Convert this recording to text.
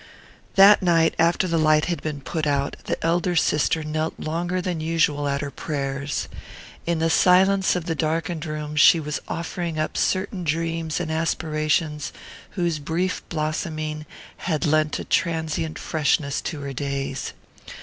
That night, after the light had been put out, the elder sister knelt longer than usual at her prayers. In the silence of the darkened room she was offering up certain dreams and aspirations whose brief blossoming had lent a transient freshness to her days.